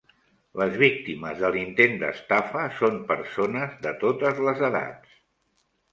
Les víctimes de l'intent d'estafa són persones de totes les edats